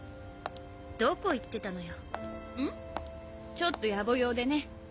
ちょっとやぼ用でね。